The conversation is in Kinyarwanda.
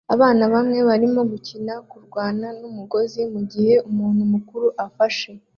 Abana bamwe barimo gukina-kurwana n'umugozi mugihe umuntu mukuru afasha